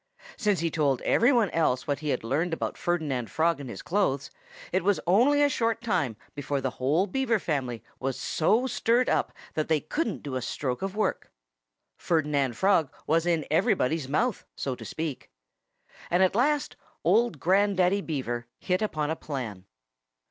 Since he told everyone else what he had learned about Ferdinand Frog and his clothes, it was only a short time before the whole Beaver family was so stirred up that they couldn't do a stroke of work. Ferdinand Frog was in everybody's mouth, so to speak. And at last old Grandaddy Beaver hit upon a plan.